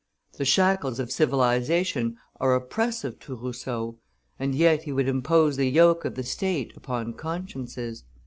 The shackles of civilization are oppressive to Rousseau, and yet he would impose the yoke of the state upon consciences.